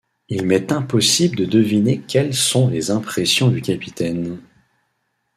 Il m’est impossible de deviner quelles sont les impressions du capitaine.